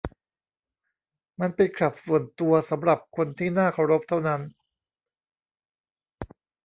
มันเป็นคลับส่วนตัวสำหรับคนที่น่าเคารพเท่านั้น